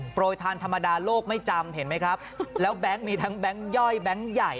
โปรยทานธรรมดาโลกไม่จำเห็นไหมครับแล้วแบงค์มีทั้งแบงค์ย่อยแบงค์ใหญ่